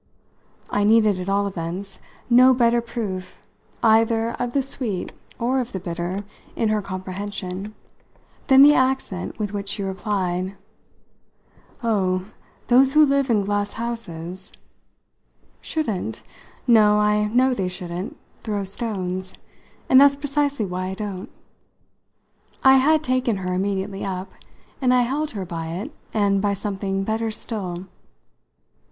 I needed, at all events, no better proof either of the sweet or of the bitter in her comprehension than the accent with which she replied: "Oh, those who live in glass houses " "Shouldn't no, I know they shouldn't throw stones; and that's precisely why I don't." I had taken her immediately up, and I held her by it and by something better still.